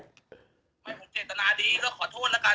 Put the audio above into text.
ไม่มีพูดเศรษฐาดีก็ขอโทษแล้วกัน